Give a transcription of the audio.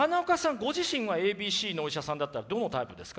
ご自身はＡＢＣのお医者さんだったらどのタイプですか？